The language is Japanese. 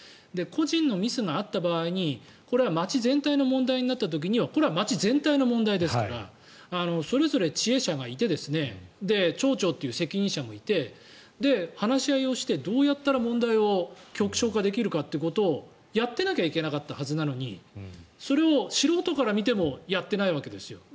個人のミスがあった場合に町全体の問題になった時にはこれは町全体の問題ですからそれぞれ知恵者がいて町長という責任者もいて話し合いをしてどうやったら問題を極小化できるかということをやっていなきゃいけなかったはずなのにそれを素人から見てもやってないわけですよ。